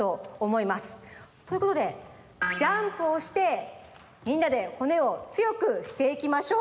ということでジャンプをしてみんなで骨をつよくしていきましょう！